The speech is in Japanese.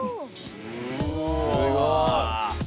すごい。